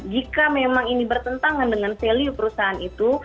jika memang ini bertentangan dengan value perusahaan itu